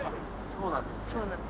そうなんです。